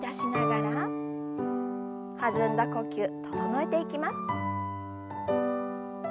弾んだ呼吸整えていきます。